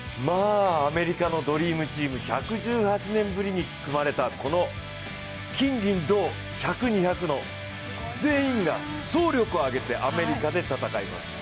アメリカのドリームチーム、１１８年ぶりに組まれたこの金、銀、銅、１００、２００の全員が総力を挙げてアメリカで戦います。